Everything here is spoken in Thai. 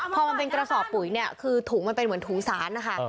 พอมันเป็นกระสอบปุ๋ยเนี่ยคือถุงมันเป็นเหมือนถุงสารนะคะ